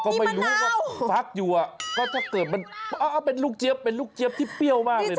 ก็ไม่รู้ว่าฟักอยู่ก็จะเกิดเป็นลูกเจี๊ยบที่เปรี้ยวมากเลยนะ